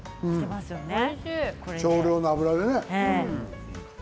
少量の油でね。